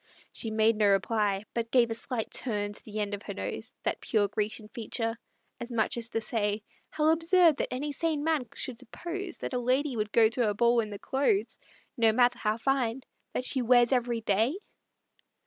She made no reply, But gave a slight turn to the end of her nose (That pure Grecian feature), as much as to say, "How absurd that any sane man should suppose That a lady would go to a ball in the clothes, No matter how fine, that she wears every day!"